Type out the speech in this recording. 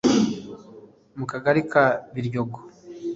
mu kagari ka Biryogo